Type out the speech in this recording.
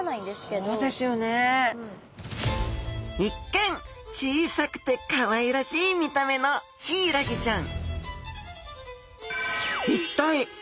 一見小さくてかわいらしい見た目のヒイラギちゃん。